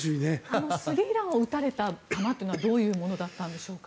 スリーランを打たれた球というのはどういうものだったんでしょうか。